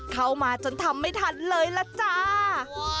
เข้ามาจนทำไม่ทันเลยล่ะจ้า